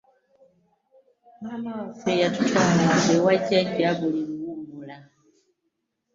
Maama waffe yatutwala nga ewa jajja buli luwumula.